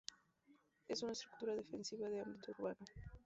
Es una estructura defensiva de ámbito urbano.